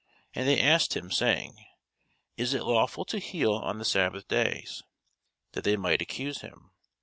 And they asked him, saying, Is it lawful to heal on the sabbath days? that they might accuse him.